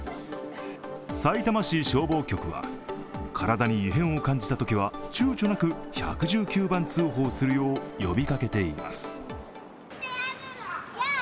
さいたま市消防局は体に異変を感じたときはちゅうちょなく１１９番通報するよう呼びかけています。